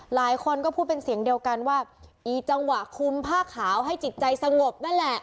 หลายคนก็พูดเป็นเสียงเดียวกันว่าอีจังหวะคุมผ้าขาวให้จิตใจสงบนั่นแหละ